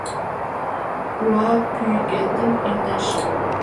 Уа пӱгетым йодеш.